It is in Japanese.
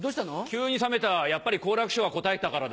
急に冷めたやっぱり好楽師匠が答えたからだ。